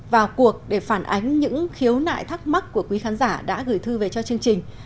vào cuộc để phản ánh những khiếu nại thắc mắc của quý khán giả đã gửi thư về cho chương trình